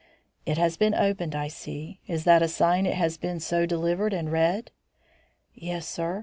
"It has been opened, I see. Is that a sign it has been so delivered and read?" "Yes, sir.